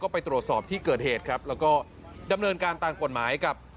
ไปตรวจสอบที่เกิดเหตุครับแล้วก็ดำเนินการตามกฎหมายกับ